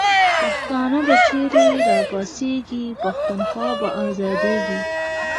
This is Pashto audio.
پښتانه به را پاڅیږی، پښتونخوا به آزادیږی